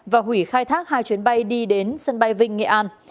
và hủy khai thác hai chuyến bay đi đến sân bay vinh nghệ an